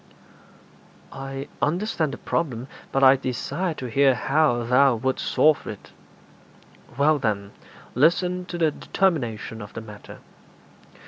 'I understand the problem, but I desire to hear how thou wouldst solve it.' 'Well, then, listen to the determination of the matter.